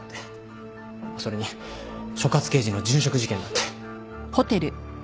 それに所轄刑事の殉職事件だって。